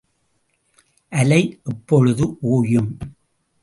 அலை எப்பொழுது ஓயும்?